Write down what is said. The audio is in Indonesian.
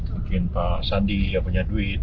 mungkin pak sandi yang punya duit